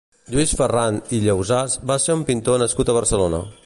Lluís Ferrant i Llausàs va ser un pintor nascut a Barcelona.